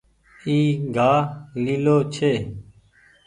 اي گآه ليلو ڇي۔